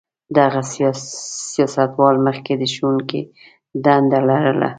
دغه سیاستوال مخکې د ښوونکي دنده لرله.